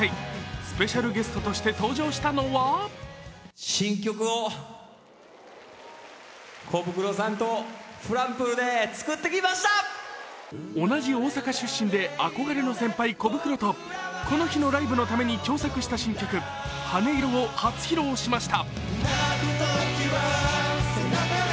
スペシャルゲストとして登場したのは同じ大阪出身で憧れの先輩、コブクロとこの日のライブのために共作した新曲「羽音色」を初披露しました。